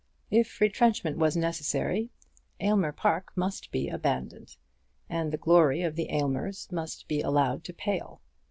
If retrenchment was necessary Aylmer Park must be abandoned, and the glory of the Aylmers must be allowed to pale.